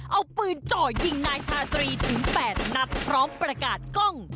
เอาปืนจ่อยิงนายชาตรีถึง๘นัดพร้อมประกาศกล้อง